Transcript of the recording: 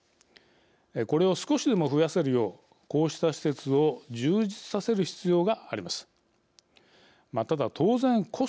これを少しでも増やせるようこうした施設を充実させる必要があります。